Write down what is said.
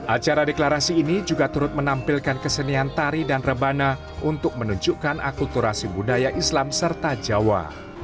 acara deklarasi ini juga turut menampilkan kesenian tari dan rebana untuk menunjukkan akulturasi budaya islam serta jawa